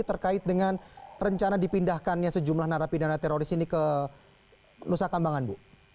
terkait dengan rencana dipindahkannya sejumlah narapidana teroris ini ke nusa kambangan bu